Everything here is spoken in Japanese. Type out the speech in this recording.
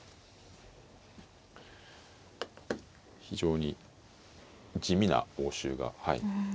非常に地味な応酬が。